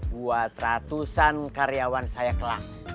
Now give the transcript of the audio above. buat ratusan karyawan saya kelak